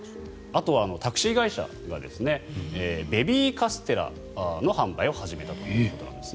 あとはタクシー会社がベビーカステラの販売を始めたということです。